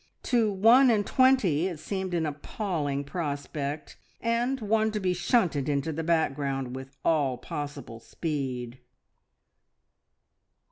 To one and twenty it seemed an appalling prospect, and one to be shunted into the background with all possible speed.